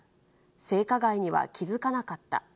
性加害には気付かなかった。